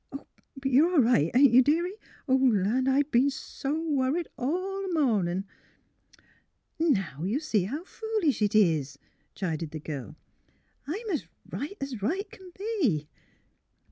But you 're all right ; ain 't you, deary 1 Land ; I b 'en so worried all th' mornin'. "" Now you see how foolish it is," chided the girl. '' I'm as right as right can be."